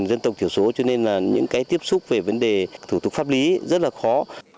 dân tộc thiểu số cho nên là những cái tiếp xúc về vấn đề thủ tục pháp lý rất là khó